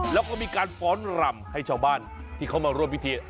แล้วก็มีการฟ้อนรำให้ชาวบ้านที่เขามาร่วมพิธี